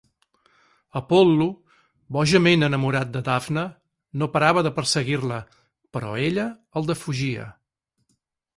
Apol·lo, bojament enamorat de Dafne, no parava de perseguir-la, però ella el defugia.